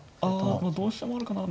あ同飛車もあるかなと。